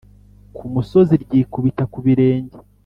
ku musozi ryikubita ku birenge